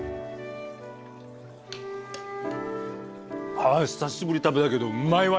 ああ久しぶりに食べたけどうまいわ！